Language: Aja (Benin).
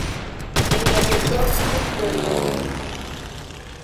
Engedoto de kpenno eng o.